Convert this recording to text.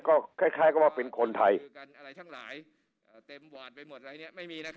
ก็คล้ายก็ว่าเป็นคนไทย